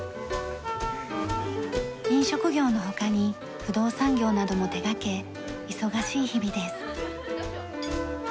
飲食業の他に不動産業なども手がけ忙しい日々です。